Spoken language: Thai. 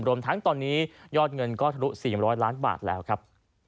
รวมทั้งตอนนี้ยอดเงินก็ทะลุ๔๐๐ล้านบาทแล้วครับ